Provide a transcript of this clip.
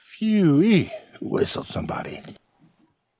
"Phe e e e w!" whistled somebody.